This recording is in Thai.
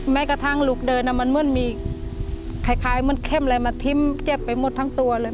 แม้กระทั่งลูกเดินมันเหมือนมีคล้ายเหมือนเข้มอะไรมาทิ้มเจ็บไปหมดทั้งตัวเลย